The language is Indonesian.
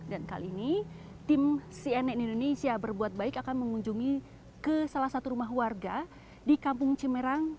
dan kali ini tim sienek indonesia berbuat baik akan mengunjungi ke salah satu rumah warga di kampung cemerang